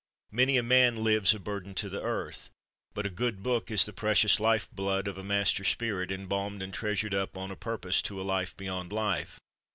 Many a man lives a burden to the earth; 84 MILTON but a good book is the precious life blood of a master spirit, embalmed and treasured up on purpose to a life beyond life.